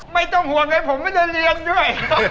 ไม่ต้องห่วงเลยผมไม่ได้เรียนด้วย